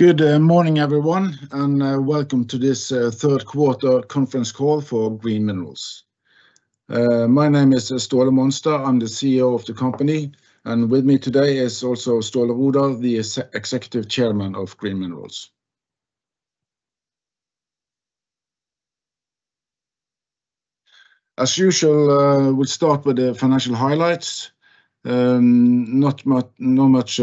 Good morning, everyone, and welcome to this Q3 Conference Call for Green Minerals. My name is Ståle Monstad. I'm the CEO of the company, and with me today is also Ståle Rodahl, the Executive Chairman of Green Minerals. As usual, we'll start with the financial highlights. Not much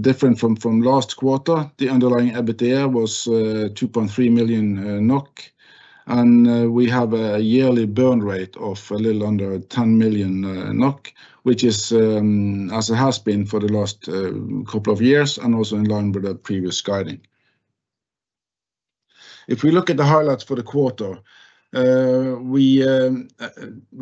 different from last quarter. The underlying EBITDA was 2.3 million NOK, and we have a yearly burn rate of a little under 10 million NOK, which is as it has been for the last couple of years, and also in line with the previous guiding. If we look at the highlights for the quarter, we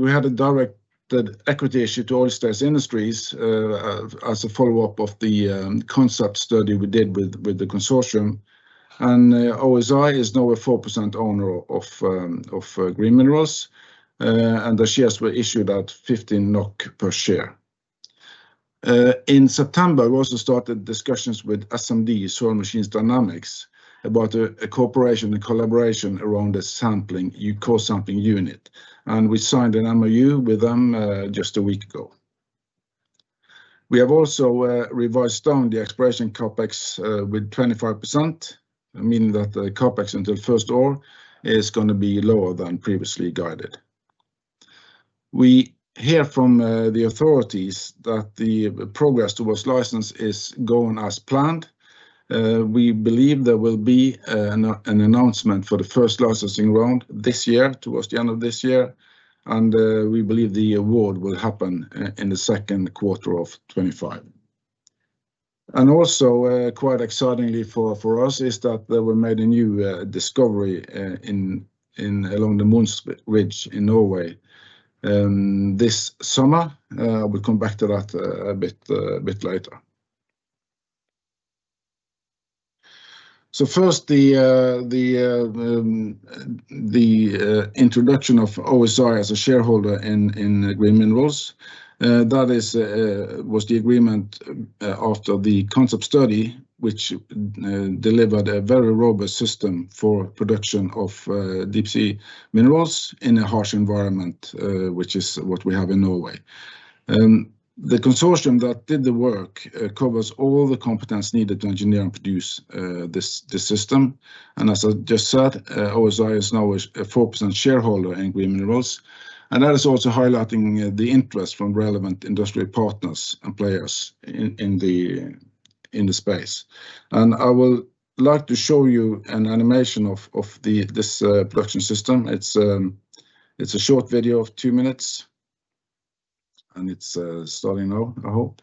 had a directed equity issue to Oil States Industries as a follow-up of the concept study we did with the consortium, and OSI is now a 4% owner of Green Minerals, and the shares were issued at 15 NOK per share. In September, we also started discussions with SMD, Soil Machine Dynamics, about a cooperation and collaboration around the core sampling unit, and we signed an MOU with them just a week ago. We have also revised down the exploration capex with 25%, meaning that the capex until first ore is going to be lower than previously guided. We hear from the authorities that the progress towards license is going as planned. We believe there will be an announcement for the first licensing round this year, towards the end of this year, and we believe the award will happen in the Q2 of 2025. And also, quite excitingly for us, is that there were made a new discovery along the Mohns Ridge in Norway this summer. We'll come back to that a bit later. So first, the introduction of OSI as a shareholder in Green Minerals. That was the agreement after the concept study, which delivered a very robust system for production of deep-sea minerals in a harsh environment, which is what we have in Norway. The consortium that did the work covers all the competence needed to engineer and produce this system, and as I just said, OSI is now a 4% shareholder in Green Minerals, and that is also highlighting the interest from relevant industry partners and players in the space. And I would like to show you an animation of this production system. It's a short video of two minutes, and it's starting now, I hope.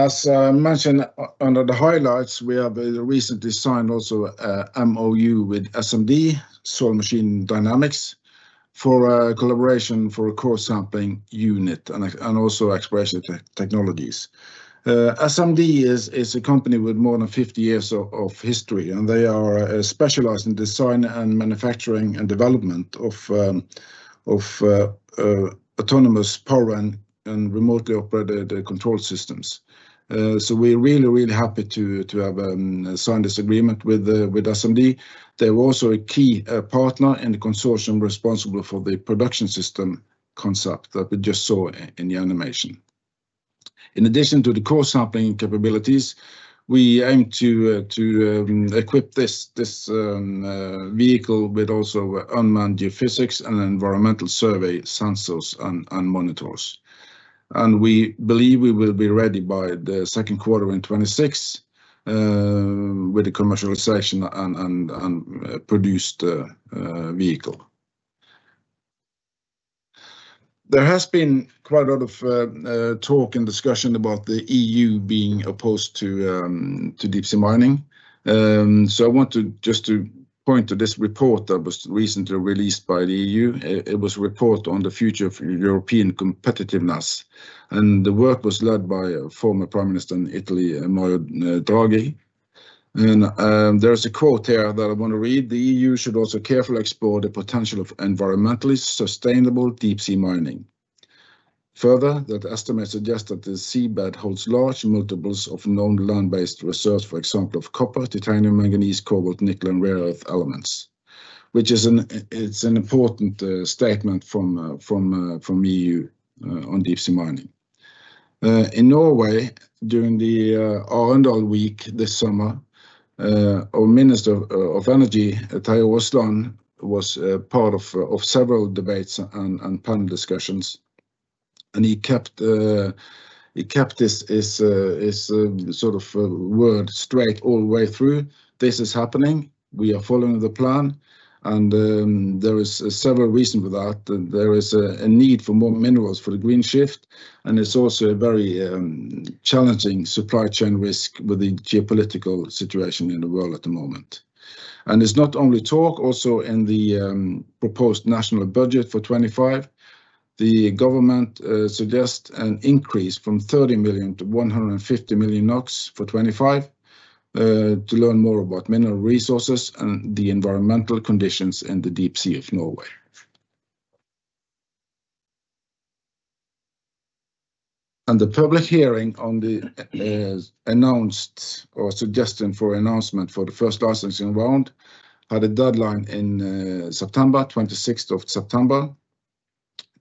As mentioned under the highlights, we have recently signed also an MOU with SMD, Soil Machine Dynamics, for a collaboration for a core sampling unit and also exploration technologies. SMD is a company with more than 50 years of history, and they are specialized in design and manufacturing and development of autonomous power and remotely operated control systems. So we're really, really happy to have signed this agreement with SMD. They were also a key partner in the consortium responsible for the production system concept that we just saw in the animation. In addition to the core sampling capabilities, we aim to equip this vehicle with also unmanned geophysics and environmental survey sensors and monitors, and we believe we will be ready by Q2 in 2026 with the commercialization and produced vehicle. There has been quite a lot of talk and discussion about the EU being opposed to deep-sea mining. So I want to just point to this report that was recently released by the EU. It was a report on the future of European competitiveness, and the work was led by former Prime Minister of Italy, Mario Draghi. There's a quote here that I want to read: "The EU should also carefully explore the potential of environmentally sustainable deep-sea mining." Further, that estimate suggests that the seabed holds large multiples of known land-based reserves, for example, of copper, titanium, manganese, cobalt, nickel, and rare earth elements, which is an important statement from the EU on deep-sea mining. In Norway, during the Arendal Week this summer, our Minister of Energy, Terje Aasland, was part of several debates and panel discussions, and he kept his word straight all the way through: "This is happening. We are following the plan, and there are several reasons for that. There is a need for more minerals for the green shift, and it's also a very challenging supply chain risk with the geopolitical situation in the world at the moment." It's not only talk. Also in the proposed national budget for 2025, the government suggests an increase from 30 million - 150 million for 2025 to learn more about mineral resources and the environmental conditions in the deep sea of Norway. The public hearing on the announced or suggestion for announcement for the first licensing round had a deadline in September, 26th of September.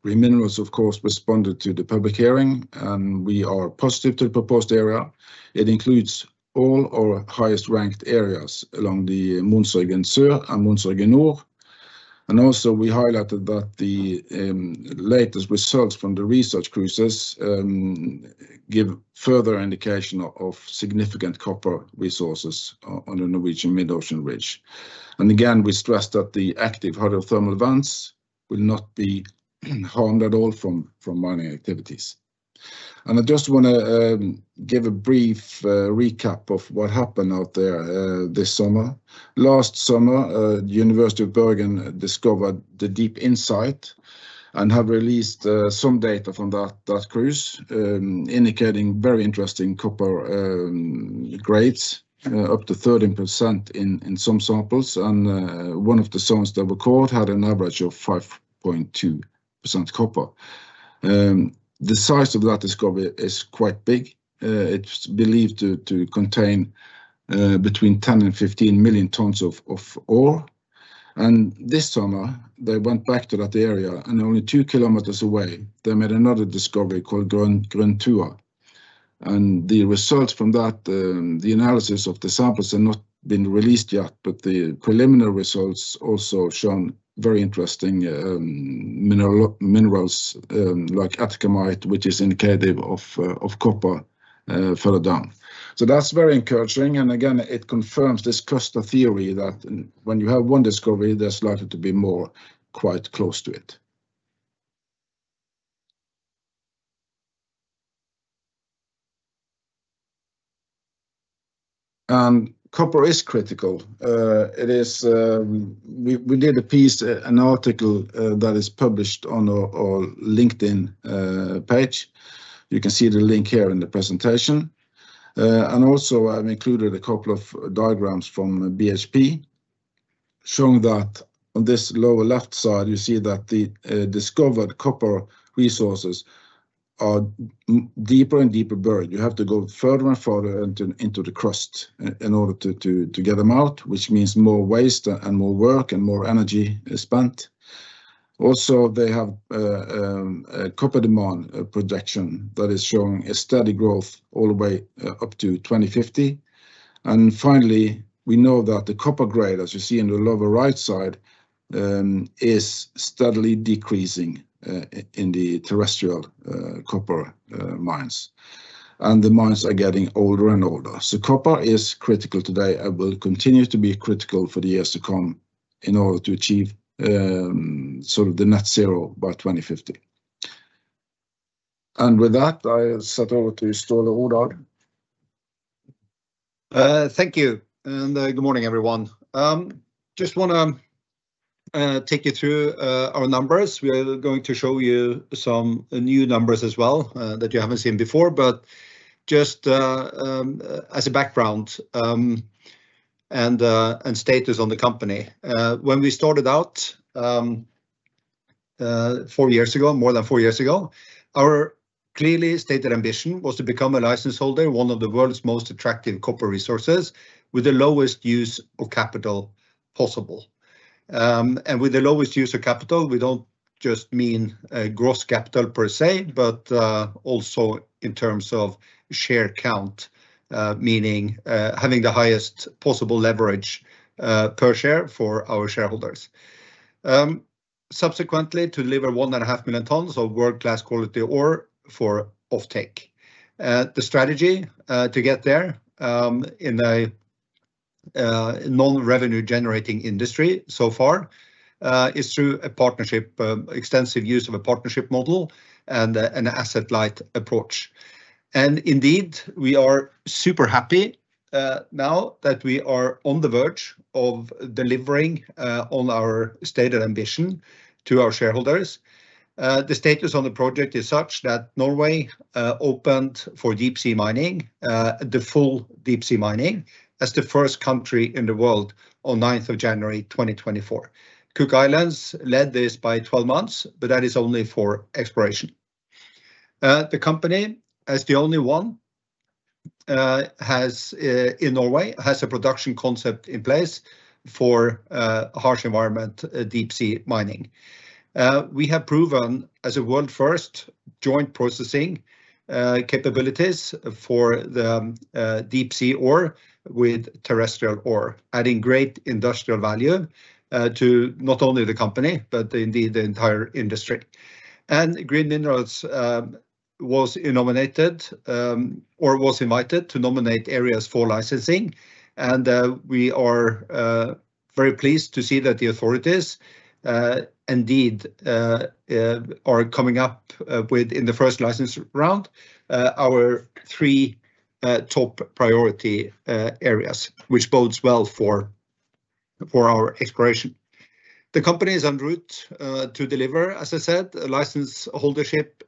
Green Minerals, of course, responded to the public hearing, and we are positive to the proposed area. It includes all our highest ranked areas along the Mohnsryggen Sør, and Mohnsryggen Nord. We also highlighted that the latest results from the research cruises give further indication of significant copper resources on the Norwegian mid-ocean ridge. We stress that the active hydrothermal vents will not be harmed at all from mining activities. I just want to give a brief recap of what happened out there this summer. Last summer, the University of Bergen discovered the deposit and have released some data from that cruise indicating very interesting copper grades, up to 13% in some samples, and one of the zones that were called had an average of 5.2% copper. The size of that discovery is quite big. It's believed to contain between 10 and 15 million tons of ore. This summer, they went back to that area, and only two kilometers away, they made another discovery called Grøntua. The results from that, the analysis of the samples have not been released yet, but the preliminary results also show very interesting minerals like Atacamite, which is indicative of copper further down. That's very encouraging, and again, it confirms this cluster theory that when you have one discovery, there's likely to be more quite close to it. Copper is critical. We did a piece, an article that is published on our LinkedIn page. You can see the link here in the presentation. Also, I've included a couple of diagrams from BHP showing that on this lower left side, you see that the discovered copper resources are deeper and deeper buried. You have to go further and further into the crust in order to get them out, which means more waste and more work and more energy spent. Also, they have a copper demand projection that is showing a steady growth all the way up to 2050. And finally, we know that the copper grade, as you see in the lower right side, is steadily decreasing in the terrestrial copper mines, and the mines are getting older and older. So copper is critical today and will continue to be critical for the years to come in order to achieve sort of the net zero by 2050. And with that, I hand over to Ståle Monstad. Thank you, and good morning, everyone. Just want to take you through our numbers. We are going to show you some new numbers as well that you haven't seen before, but just as a background and status on the company. When we started out four years ago, more than four years ago, our clearly stated ambition was to become a license holder, one of the world's most attractive copper resources with the lowest use of capital possible, and with the lowest use of capital, we don't just mean gross capital per se, but also in terms of share count, meaning having the highest possible leverage per share for our shareholders, subsequently to deliver one and a half million tons of world-class quality ore for off-take. The strategy to get there in a non-revenue-generating industry so far is through a partnership, extensive use of a partnership model and an asset-light approach, and indeed, we are super happy now that we are on the verge of delivering on our stated ambition to our shareholders. The status on the project is such that Norway opened for deep-sea mining, the full deep-sea mining, as the first country in the world on 9 January, 2024. Cook Islands led this by 12 months, but that is only for exploration. The company, as the only one in Norway, has a production concept in place for harsh environment deep-sea mining. We have proven as a world-first joint processing capabilities for the deep-sea ore with terrestrial ore, adding great industrial value to not only the company, but indeed the entire industry. And Green Minerals was nominated or was invited to nominate areas for licensing, and we are very pleased to see that the authorities indeed are coming up with, in the first license round, our three top priority areas, which bodes well for our exploration. The company is en route to deliver, as I said, license holdership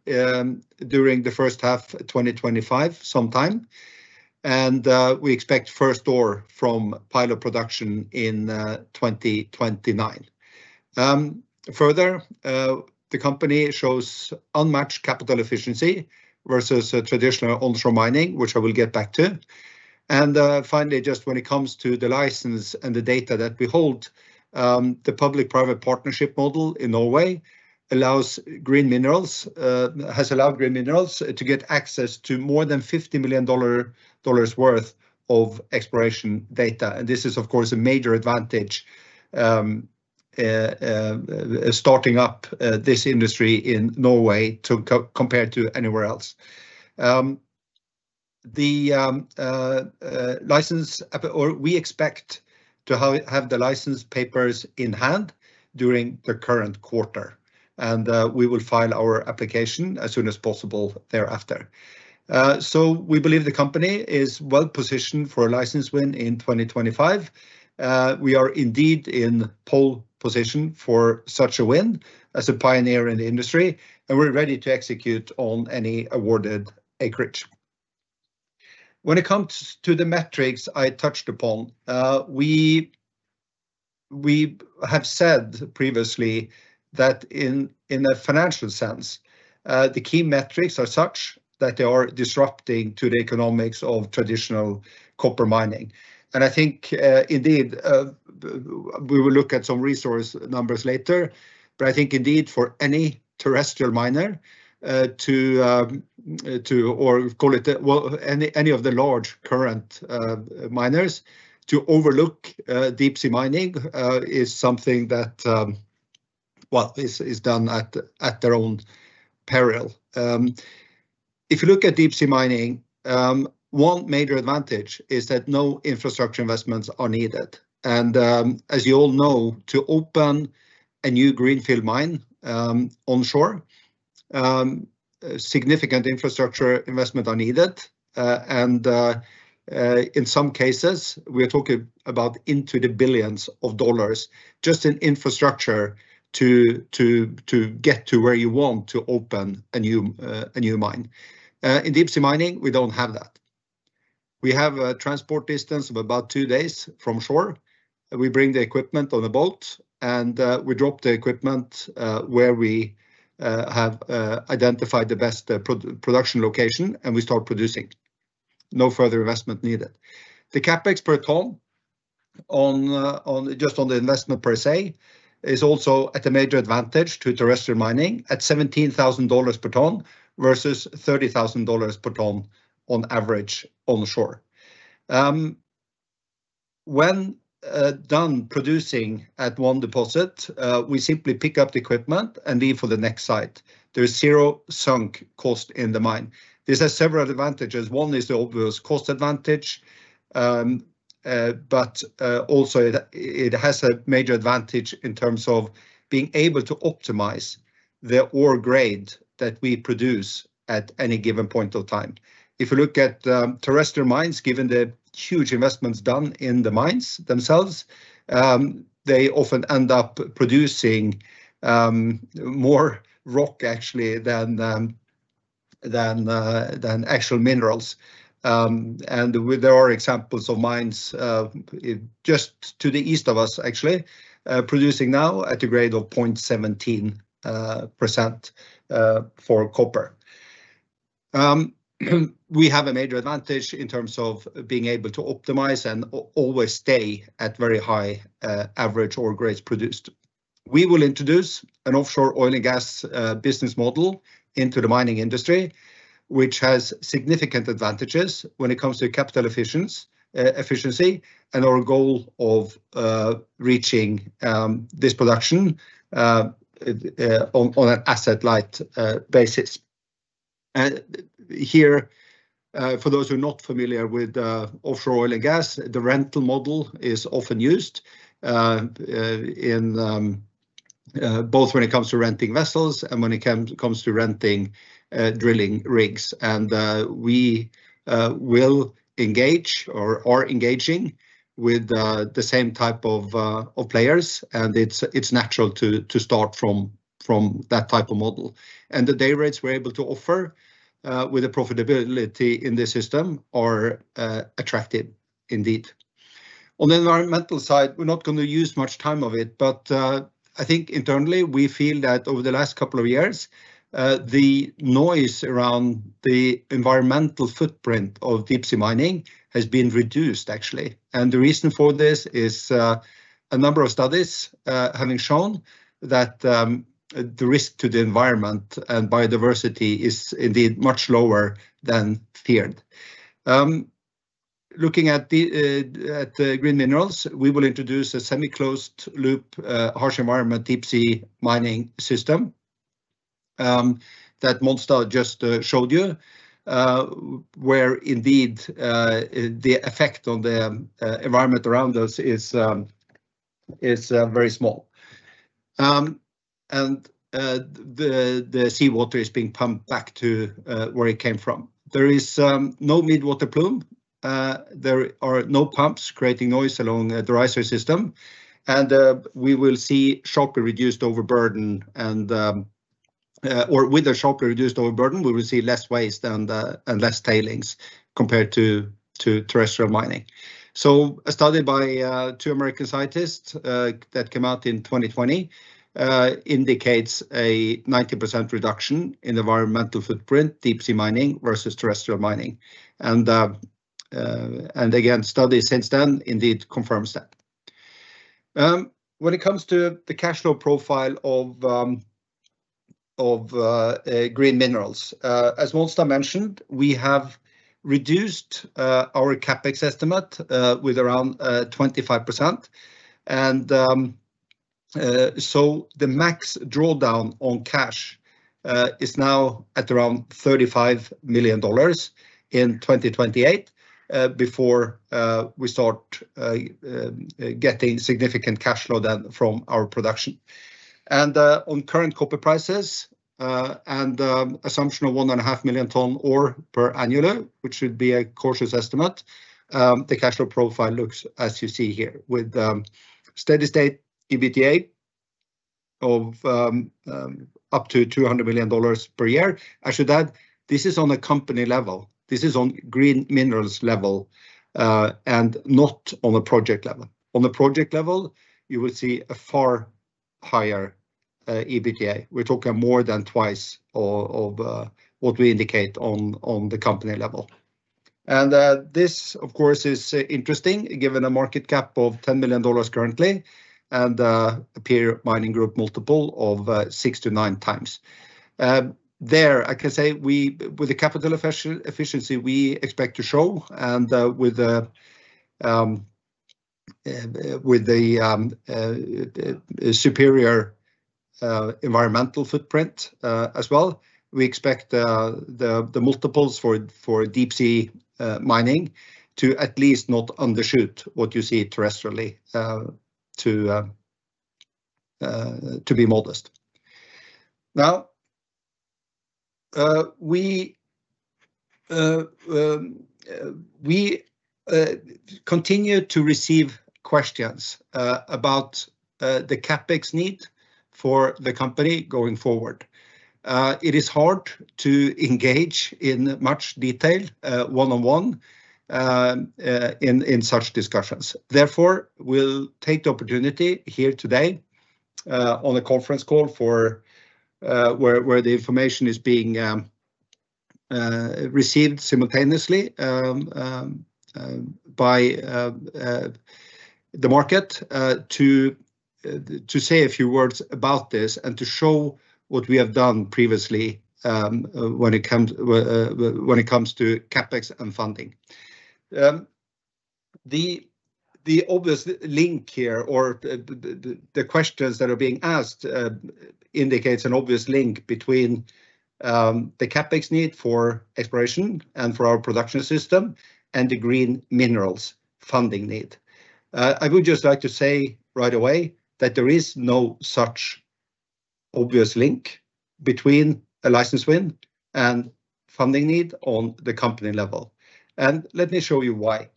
during the first half of 2025 sometime, and we expect first ore from pilot production in 2029. Further, the company shows unmatched capital efficiency versus traditional onshore mining, which I will get back to, and finally, just when it comes to the license and the data that we hold, the public-private partnership model in Norway has allowed Green Minerals to get access to more than $50 million worth of exploration data, and this is, of course, a major advantage starting up this industry in Norway compared to anywhere else. We expect to have the license papers in hand during the current quarter, and we will file our application as soon as possible thereafter, so we believe the company is well positioned for a license win in 2025. We are indeed in pole position for such a win as a pioneer in the industry, and we're ready to execute on any awarded acreage. When it comes to the metrics I touched upon, we have said previously that in a financial sense, the key metrics are such that they are disrupting to the economics of traditional copper mining. And I think indeed we will look at some resource numbers later, but I think indeed for any terrestrial miner to, or call it any of the large current miners to overlook deep-sea mining is something that, well, is done at their own peril. If you look at deep-sea mining, one major advantage is that no infrastructure investments are needed. As you all know, to open a new greenfield mine onshore, significant infrastructure investment are needed, and in some cases, we are talking about into the billions of dollars just in infrastructure to get to where you want to open a new mine. In deep-sea mining, we don't have that. We have a transport distance of about two days from shore. We bring the equipment on a boat, and we drop the equipment where we have identified the best production location, and we start producing. No further investment needed. The CapEx per ton just on the investment per se is also at a major advantage to terrestrial mining at $17,000 per ton versus $30,000 per ton on average onshore. When done producing at one deposit, we simply pick up the equipment and leave for the next site. There is zero sunk cost in the mine. This has several advantages. One is the obvious cost advantage, but also it has a major advantage in terms of being able to optimize the ore grade that we produce at any given point of time. If you look at terrestrial mines, given the huge investments done in the mines themselves, they often end up producing more rock, actually, than actual minerals. And there are examples of mines just to the east of us, actually, producing now at a grade of 0.17% for copper. We have a major advantage in terms of being able to optimize and always stay at very high average ore grades produced. We will introduce an offshore oil and gas business model into the mining industry, which has significant advantages when it comes to capital efficiency and our goal of reaching this production on an asset-light basis. Here, for those who are not familiar with offshore oil and gas, the rental model is often used both when it comes to renting vessels and when it comes to renting drilling rigs. And we will engage or are engaging with the same type of players, and it's natural to start from that type of model. And the day rates we're able to offer with the profitability in this system are attractive indeed. On the environmental side, we're not going to use much time of it, but I think internally we feel that over the last couple of years, the noise around the environmental footprint of deep-sea mining has been reduced, actually. And the reason for this is a number of studies having shown that the risk to the environment and biodiversity is indeed much lower than feared. Looking at Green Minerals, we will introduce a semi-closed loop harsh environment deep-sea mining system that Monstad just showed you, where indeed the effect on the environment around us is very small. And the seawater is being pumped back to where it came from. There is no midwater plume. There are no pumps creating noise along the rising system, and we will see sharply reduced overburden, and with a sharply reduced overburden, we will see less waste and less tailings compared to terrestrial mining. So a study by two American scientists that came out in 2020 indicates a 90% reduction in environmental footprint deep-sea mining versus terrestrial mining. And again, studies since then indeed confirms that. When it comes to the cash flow profile of Green Minerals, as Monstad mentioned, we have reduced our CapEx estimate with around 25%. The max drawdown on cash is now at around $35 million in 2028 before we start getting significant cash flow then from our production. On current copper prices and assumption of 1.5 million tons of ore per annum, which should be a cautious estimate, the cash flow profile looks as you see here with steady state EBITDA of up to $200 million per year. I should add, this is on a company level. This is on Green Minerals level and not on a project level. On a project level, you will see a far higher EBITDA. We're talking more than twice of what we indicate on the company level. This, of course, is interesting given a market cap of $10 million currently and a peer mining group multiple of six to nine times. There, I can say with the capital efficiency we expect to show, and with the superior environmental footprint as well, we expect the multiples for deep-sea mining to at least not undershoot what you see terrestrially to be modest. Now, we continue to receive questions about the Capex need for the company going forward. It is hard to engage in much detail one-on-one in such discussions. Therefore, we'll take the opportunity here today on a conference call where the information is being received simultaneously by the market to say a few words about this and to show what we have done previously when it comes to Capex and funding. The obvious link here or the questions that are being asked indicates an obvious link between the Capex need for exploration and for our production system and the Green Minerals funding need. I would just like to say right away that there is no such obvious link between a license win and funding need on the company level. And let me show you why.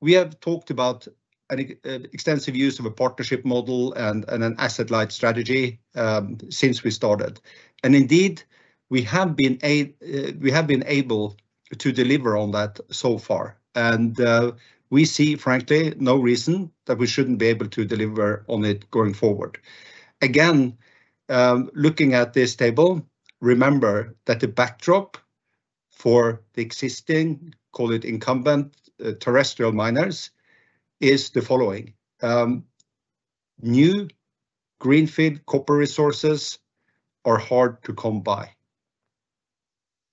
We have talked about an extensive use of a partnership model and an asset-light strategy since we started. And indeed, we have been able to deliver on that so far. And we see, frankly, no reason that we shouldn't be able to deliver on it going forward. Again, looking at this table, remember that the backdrop for the existing, call it incumbent, terrestrial miners is the following. New greenfield copper resources are hard to come by.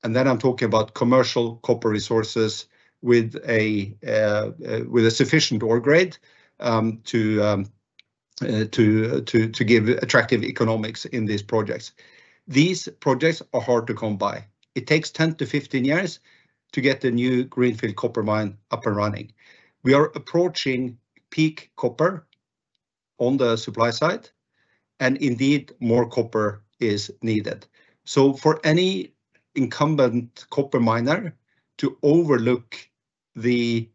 And then I'm talking about commercial copper resources with a sufficient ore grade to give attractive economics in these projects. These projects are hard to come by. It takes 10-15 years to get the new greenfield copper mine up and running. We are approaching peak copper on the supply side, and indeed, more copper is needed. So for any incumbent copper miner to overlook the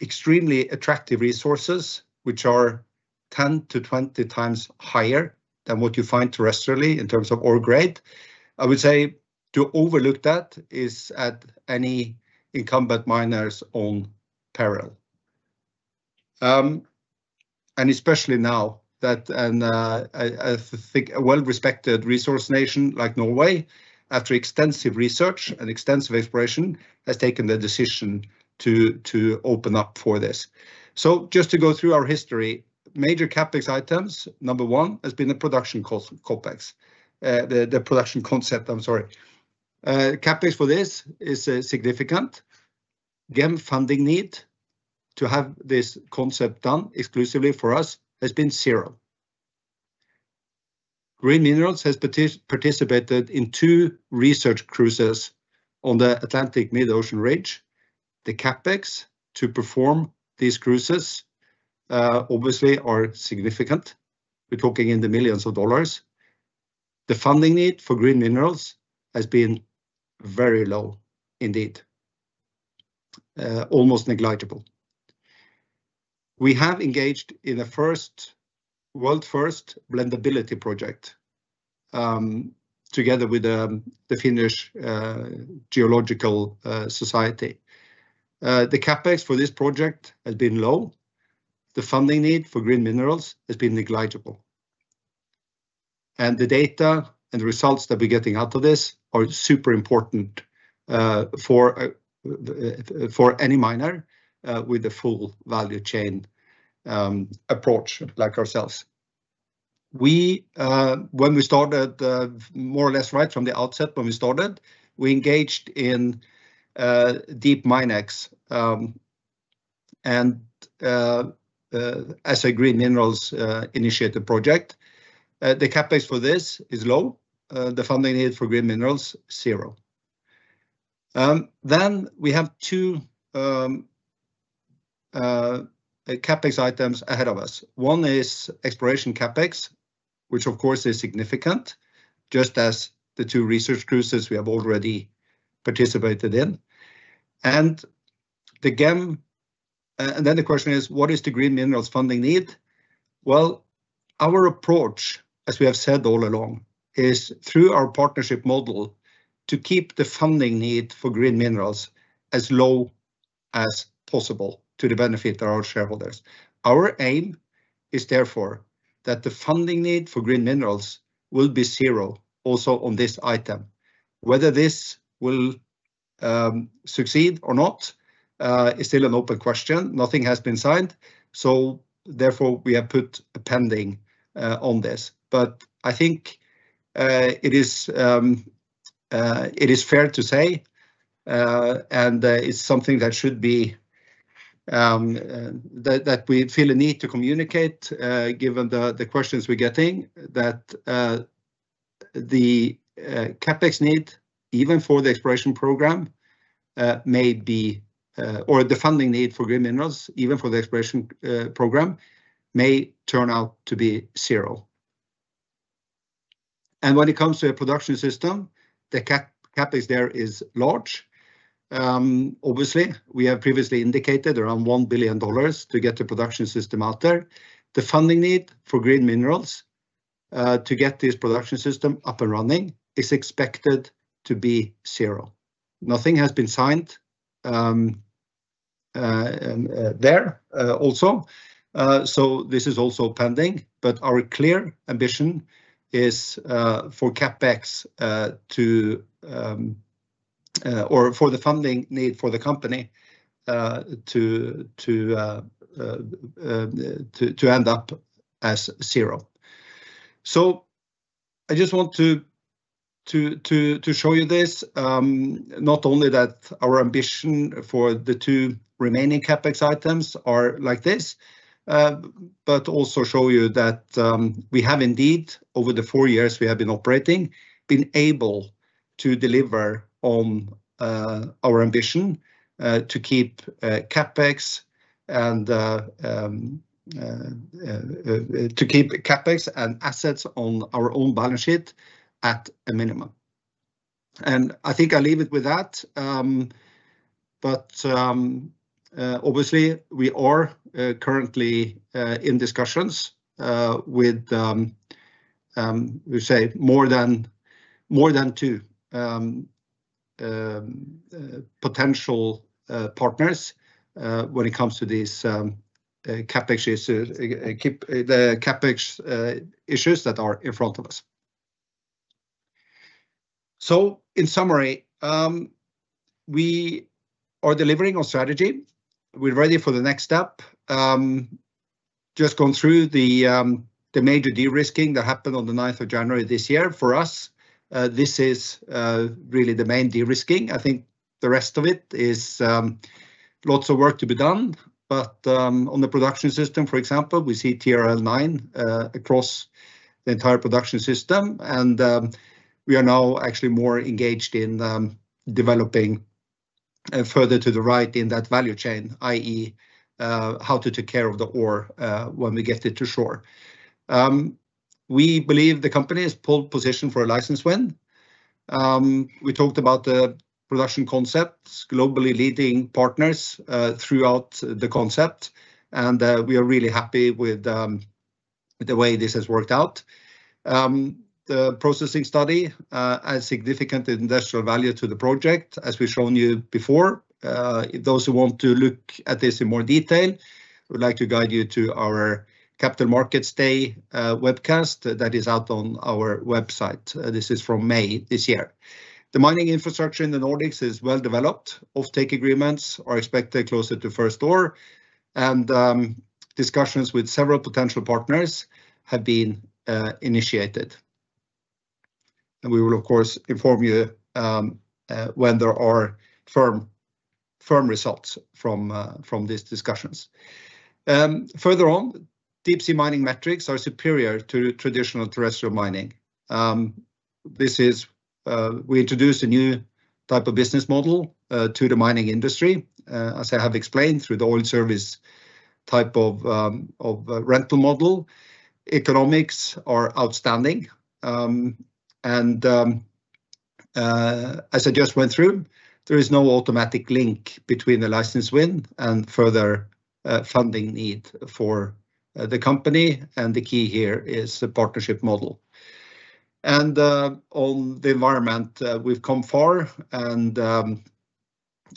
extremely attractive resources, which are 10-20 times higher than what you find terrestrially in terms of ore grade, I would say to overlook that is at any incumbent miner's own peril. And especially now that a well-respected resource nation like Norway, after extensive research and extensive exploration, has taken the decision to open up for this. So just to go through our history, major Capex items, number one, has been the production concept. I'm sorry. Capex for this is significant. Again, funding need to have this concept done exclusively for us has been zero. Green Minerals has participated in two research cruises on the Mohns Ridge. The CapEx to perform these cruises, obviously, is significant. We're talking in the millions of dollars. The funding need for Green Minerals has been very low indeed, almost negligible. We have engaged in a world-first blendability project together with the Geological Survey of Finland. The CapEx for this project has been low. The funding need for Green Minerals has been negligible, and the data and the results that we're getting out of this are super important for any miner with a full value chain approach like ourselves. When we started, more or less right from the outset, we engaged in deep-sea mining. As a Green Minerals Initiative project, the CapEx for this is low. The funding need for Green Minerals, zero. We have two CapEx items ahead of us. One is exploration CapEx, which of course is significant, just as the two research cruises we have already participated in. And then the question is, what is the Green Minerals funding need? Well, our approach, as we have said all along, is through our partnership model to keep the funding need for Green Minerals as low as possible to the benefit of our shareholders. Our aim is therefore that the funding need for Green Minerals will be zero also on this item. Whether this will succeed or not is still an open question. Nothing has been signed. So therefore, we have put a pending on this. But I think it is fair to say, and it's something that should be that we feel a need to communicate given the questions we're getting, that the CapEx need, even for the exploration program, may be or the funding need for Green Minerals, even for the exploration program, may turn out to be zero. And when it comes to a production system, the CapEx there is large. Obviously, we have previously indicated around $1 billion to get the production system out there. The funding need for Green Minerals to get this production system up and running is expected to be zero. Nothing has been signed there also. So this is also pending. But our clear ambition is for CapEx or for the funding need for the company to end up as zero. So, I just want to show you this, not only that our ambition for the two remaining CapEx items are like this, but also show you that we have indeed, over the four years we have been operating, been able to deliver on our ambition to keep CapEx and to keep CapEx and assets on our own balance sheet at a minimum. And I think I'll leave it with that. But obviously, we are currently in discussions with, we say, more than two potential partners when it comes to these CapEx issues that are in front of us. So in summary, we are delivering on strategy. We're ready for the next step. Just going through the major de-risking that happened on the 9th of January this year. For us, this is really the main de-risking. I think the rest of it is lots of work to be done. On the production system, for example, we see TRL9 across the entire production system. We are now actually more engaged in developing further to the right in that value chain, i.e., how to take care of the ore when we get it to shore. We believe the company has prime position for a license win. We talked about the production concepts, globally leading partners throughout the concept. We are really happy with the way this has worked out. The processing study adds significant industrial value to the project, as we've shown you before. Those who want to look at this in more detail, we'd like to guide you to our Capital Markets Day webcast that is out on our website. This is from May this year. The mining infrastructure in the Nordics is well developed. Off-take agreements are expected closer to first ore. Discussions with several potential partners have been initiated. We will, of course, inform you when there are firm results from these discussions. Further on, deep-sea mining metrics are superior to traditional terrestrial mining. We introduced a new type of business model to the mining industry, as I have explained, through the oil service type of rental model. Economics are outstanding. As I just went through, there is no automatic link between the license win and further funding need for the company. The key here is the partnership model. On the environment, we've come far.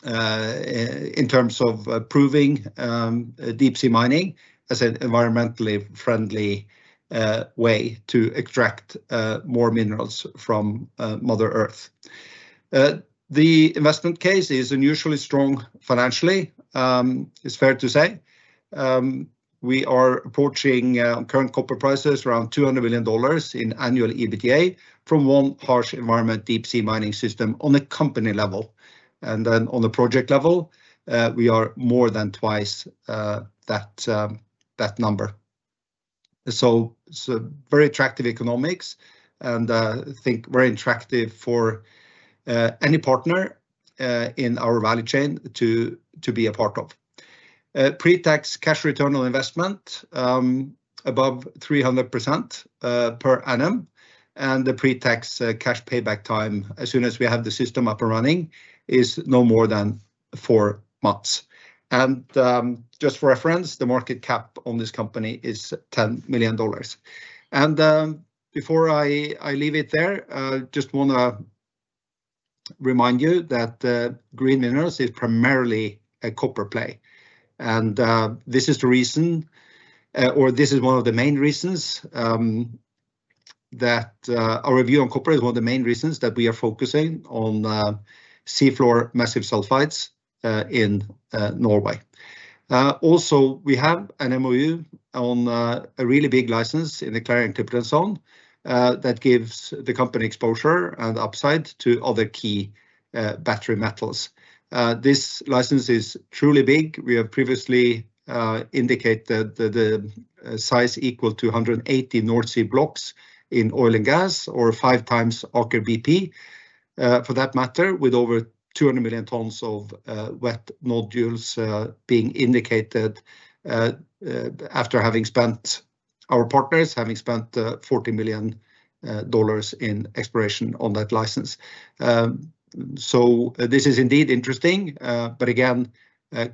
In terms of proving deep-sea mining as an environmentally friendly way to extract more minerals from Mother Earth, the investment case is unusually strong financially. It's fair to say. We are approaching current copper prices around $200 million in annual EBITDA from one harsh environment deep-sea mining system on a company level. And then on the project level, we are more than twice that number. So very attractive economics. And I think very attractive for any partner in our value chain to be a part of. Pretax cash return on investment above 300% per annum. And the pretax cash payback time, as soon as we have the system up and running, is no more than four months. And just for reference, the market cap on this company is $10 million. And before I leave it there, I just want to remind you that Green Minerals is primarily a copper play. This is the reason, or this is one of the main reasons, that our view on copper is one of the main reasons that we are focusing on seafloor massive sulfides in Norway. Also, we have an MOU on a really big license in the Clarion-Clipperton Zone that gives the company exposure and upside to other key battery metals. This license is truly big. We have previously indicated the size equal to 180 North Sea blocks in oil and gas, or five times Aker BP, for that matter, with over 200 million tons of wet nodules being indicated after our partners having spent $40 million in exploration on that license. So this is indeed interesting, but again,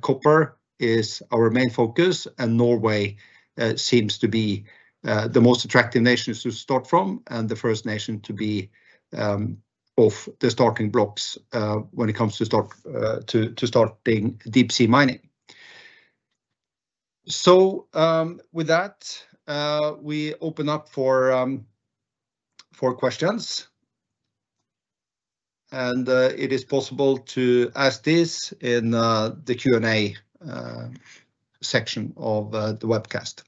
copper is our main focus. Norway seems to be the most attractive nation to start from and the first nation to be of the starting blocks when it comes to starting deep-sea mining. With that, we open up for questions. It is possible to ask this in the Q&A section of the webcast.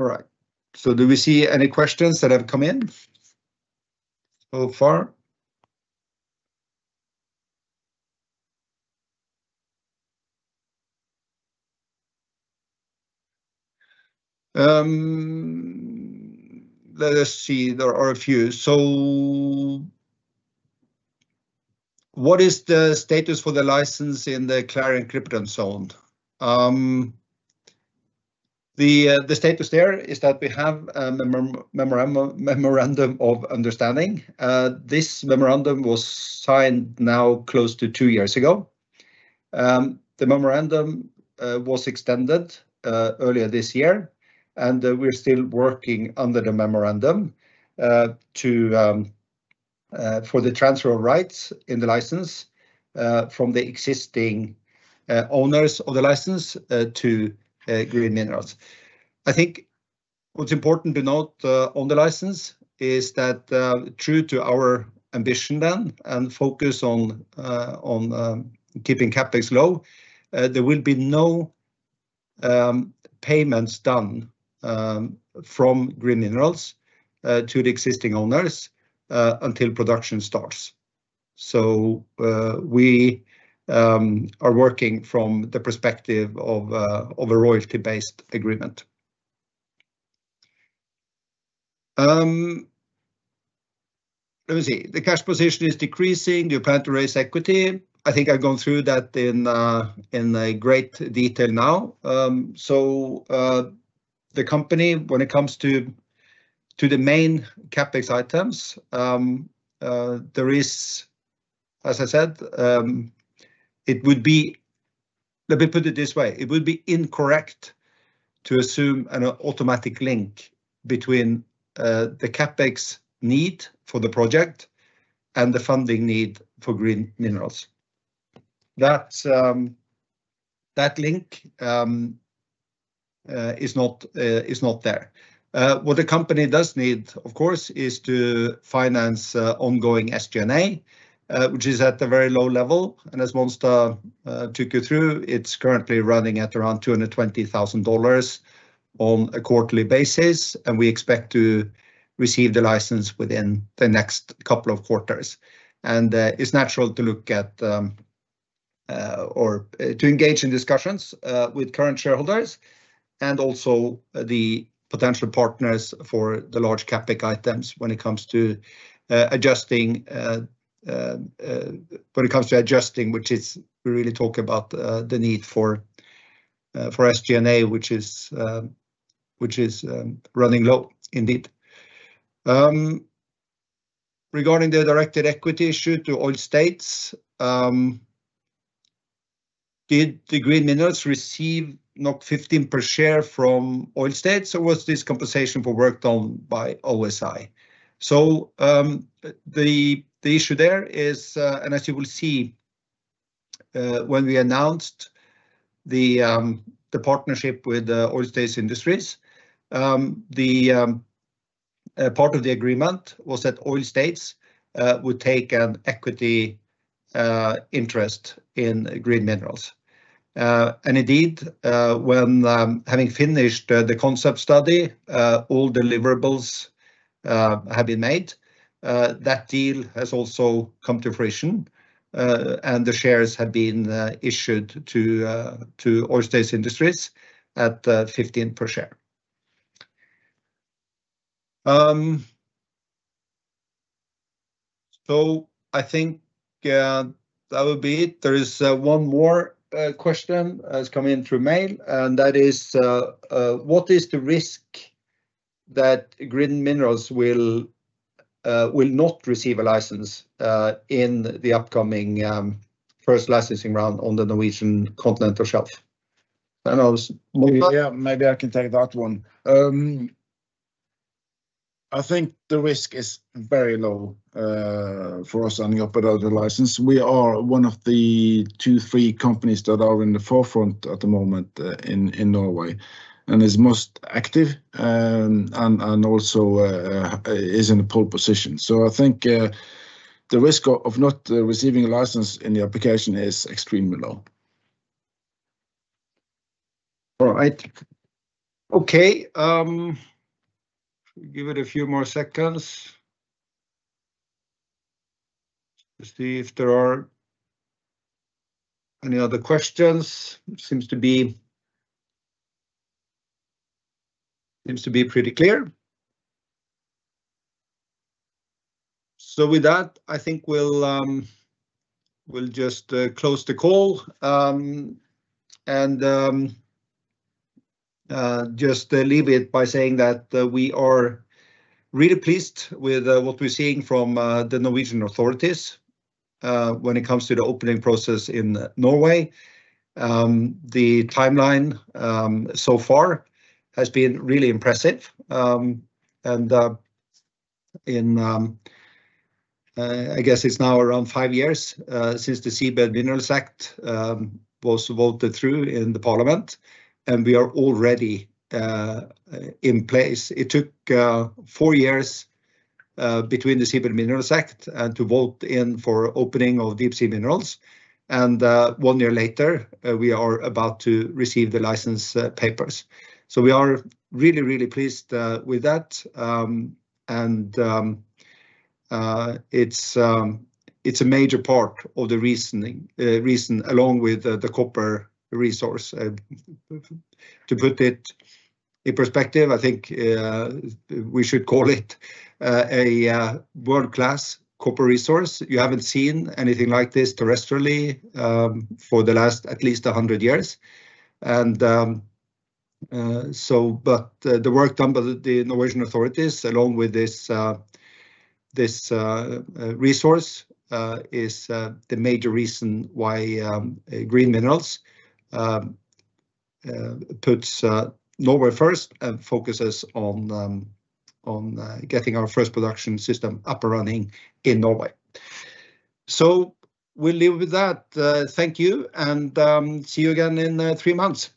All right. Do we see any questions that have come in so far? Let us see. There are a few. What is the status for the license in the Clarion-Clipperton Zone? The status there is that we have a memorandum of understanding. This memorandum was signed now close to two years ago. The memorandum was extended earlier this year. We're still working under the memorandum for the transfer of rights in the license from the existing owners of the license to Green Minerals. I think what's important to note on the license is that true to our ambition then and focus on keeping CapEx low, there will be no payments done from Green Minerals to the existing owners until production starts, so we are working from the perspective of a royalty-based agreement. Let me see. The cash position is decreasing. Do you plan to raise equity? I think I've gone through that in great detail now, so the company, when it comes to the main CapEx items, there is, as I said, it would be let me put it this way. It would be incorrect to assume an automatic link between the CapEx need for the project and the funding need for Green Minerals. That link is not there. What the company does need, of course, is to finance ongoing SG&A, which is at a very low level. As Monstad took you through, it's currently running at around $220,000 on a quarterly basis. We expect to receive the license within the next couple of quarters. It's natural to look at or to engage in discussions with current shareholders and also the potential partners for the large CapEx items when it comes to adjusting, which is we really talk about the need for SG&A, which is running low indeed. Regarding the directed equity issue to Oil States, did Green Minerals receive 15 per share from Oil States? Or was this compensation for work done by OSI? The issue there is, and as you will see when we announced the partnership with Oil States Industries, the part of the agreement was that Oil States would take an equity interest in Green Minerals. And indeed, when having finished the concept study, all deliverables have been made, that deal has also come to fruition. And the shares have been issued to Oil States Industries at 15 per share. So I think that would be it. There is one more question that's coming in through mail. And that is, what is the risk that Green Minerals will not receive a license in the upcoming first licensing round on the Norwegian Continental Shelf? And maybe I can take that one. I think the risk is very low for us signing up without a license. We are one of the two, three companies that are in the forefront at the moment in Norway. And it's most active. And also is in a pole position. So I think the risk of not receiving a license in the application is extremely low. All right. Okay. Give it a few more seconds. Let's see if there are any other questions. Seems to be pretty clear, so with that, I think we'll just close the call, and just leave it by saying that we are really pleased with what we're seeing from the Norwegian authorities when it comes to the opening process in Norway. The timeline so far has been really impressive, and I guess it's now around five years since the Seabed Minerals Act was voted through in the parliament, and we are already in place. It took four years between the Seabed Minerals Act and to vote in for opening of deep-sea minerals, and one year later, we are about to receive the license papers, so we are really, really pleased with that, and it's a major part of the reasoning along with the copper resource. To put it in perspective, I think we should call it a world-class copper resource. You haven't seen anything like this terrestrially for the last at least 100 years. But the work done by the Norwegian authorities along with this resource is the major reason why Green Minerals puts Norway first and focuses on getting our first production system up and running in Norway. So we'll leave it with that. Thank you. And see you again in three months.